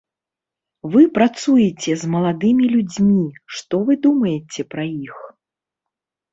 Вы працуеце з маладымі людзьмі, што вы думаеце пра іх?